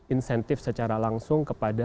insentif secara langsung kepada